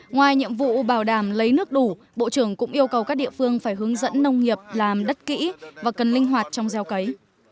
ngoài nhiệm vụ bảo đảm lấy nước đủ bộ trưởng cũng yêu cầu các địa phương phải hướng dẫn nông nghiệp làm đất kỹ và cần linh hoạt trong gieo cấy